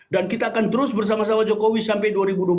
dan kita akan terus bersama sama jokowi sampai dua ribu dua puluh empat